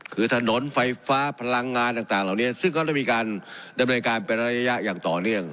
คือถนนไฟฟ้าพลังงานต่างเหล่านี้ซึ่งเขาได้มีการดำเนินการเป็นระยะอย่างต่อเนื่อง